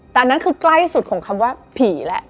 แต่อันนั้นคือใกล้สุดของคำว่าผีแล้ว